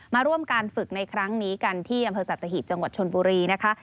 มาร่วมการฝึกในครั้งนี้กันที่อำเภอสัตหีบจังหวัดชนบุรีนะคะ